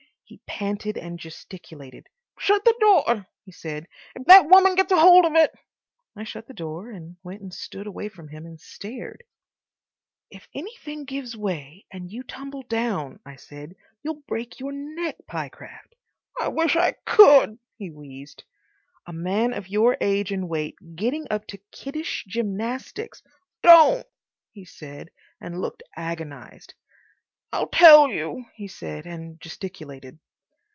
He panted and gesticulated. "Shut the door," he said. "If that woman gets hold of it—" I shut the door, and went and stood away from him and stared. "If anything gives way and you tumble down," I said, "you'll break your neck, Pyecraft." "I wish I could," he wheezed. "A man of your age and weight getting up to kiddish gymnastics—" "Don't," he said, and looked agonised. "I'll tell you," he said, and gesticulated.